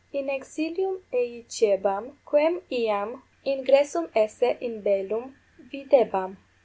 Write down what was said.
In exilium eiciebam, quem iam ingressum esse in bellum videbam?